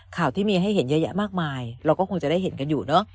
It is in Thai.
ข่าวที่มีให้เห็นเยอะแยะมากมายเราก็คงจะได้เห็นกันอยู่เนอะ